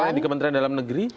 ada di kementerian dalam negeri